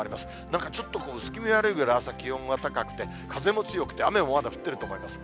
なんかちょっと、薄気味悪いぐらい朝、気温が高くて風も強くて雨もまだ降ってると思います。